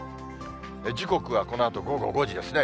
時刻はこのあと午後５時ですね。